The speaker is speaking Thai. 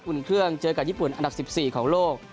อุ่นเครื่องเจอกับญี่ปุ่นอันดับ๑๔ของโลก